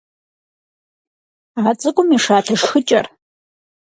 А цӏыкӏум и шатэ шхыкӏэр.